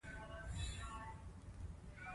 زه اوس حیران پاتې وم چې څه وکړم.